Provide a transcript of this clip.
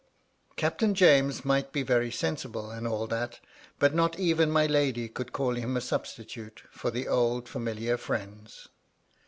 Captain James might be very sensible, and all that ; but not even my lady could call him a substitute for the old familiar friends.